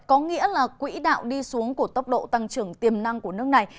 có nghĩa là quỹ đạo đi xuống của tốc độ tăng trưởng tiềm năng của nước này